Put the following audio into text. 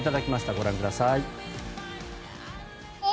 ご覧ください。